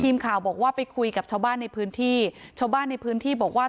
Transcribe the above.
ทีมข่าวบอกว่าไปคุยกับชาวบ้านในพื้นที่ชาวบ้านในพื้นที่บอกว่า